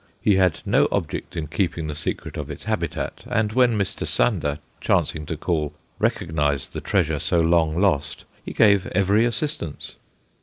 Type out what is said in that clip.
He had no object in keeping the secret of its habitat, and when Mr. Sander, chancing to call, recognized the treasure so long lost, he gave every assistance.